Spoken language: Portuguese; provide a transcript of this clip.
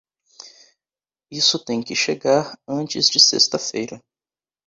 Isso tem que chegar antes de sexta-feira.